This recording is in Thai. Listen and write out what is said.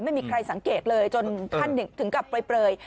ไม่มีใครสังเกตเลยจนท่านถึงกับเปลย